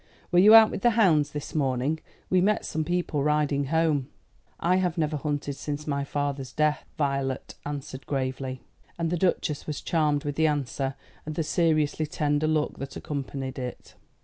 Were you out with the hounds this morning? We met some people riding home." "I have never hunted since my father's death," Violet answered gravely; and the Duchess was charmed with the answer and the seriously tender look that accompanied it.